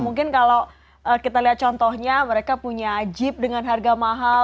mungkin kalau kita lihat contohnya mereka punya jeep dengan harga mahal